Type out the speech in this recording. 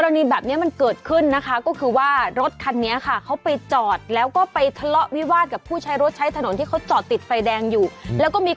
อันนี้มันเกิดขึ้นนะคะก็คือว่ารถคันนี้ค่ะเขาไปจอดแล้วก็ไปทะเลาะวิวาสกับผู้ใช้รถใช้ถนนที่เขาจอดติดไฟแดงอยู่แล้วก็มี